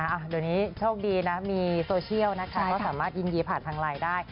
เดี๋ยวนี้โชคดีนะมีโซเชียลนะคะก็สามารถยินดีผ่านทางไลน์ได้